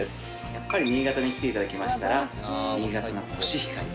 やっぱり新潟に来て頂きましたら新潟のコシヒカリ。